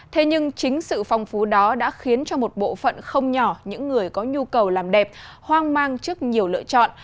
thế nhưng chính sự phong phú đó đã khiến cho một bộ phận không nhỏ những người có nhu cầu làm đẹp hoang mang trước nhiều lựa chọn